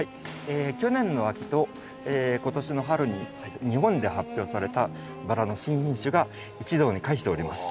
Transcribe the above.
去年の秋と今年の春に日本で発表されたバラの新品種が一堂に会しております。